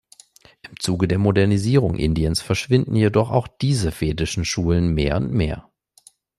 Im Zuge der Modernisierung Indiens verschwinden jedoch auch diese vedischen Schulen mehr und mehr.